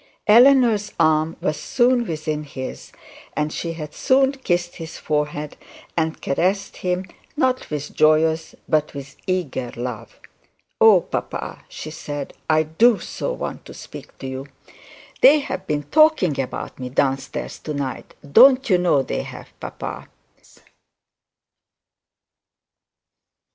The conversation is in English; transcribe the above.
Eleanor's arm was soon within his, and she had soon kissed his forehead and caressed him, not with joyous but with eager love. 'Oh, papa,' she said, 'I do so want to speak to you. They have been talking about me downstairs to night; don't you know they have, papa?'